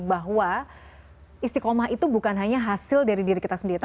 bahwa istiqomah itu bukan hanya hasil dari diri kita sendiri